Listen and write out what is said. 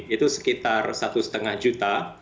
itu sekitar satu lima juta